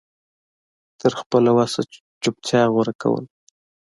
تر خپله وسه چوپتيا غوره کول